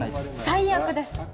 最悪です。